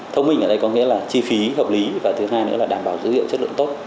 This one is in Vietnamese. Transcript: thông minh ở đây có nghĩa là chi phí hợp lý và thứ hai nữa là đảm bảo dữ liệu chất lượng tốt